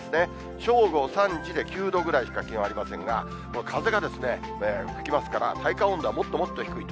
正午、３時で９度ぐらいしか気温ありませんが、風が吹きますから、体感温度はもっともっと低いと。